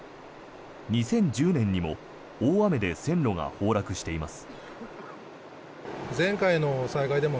２０１０年にも大雨で線路が崩落しています。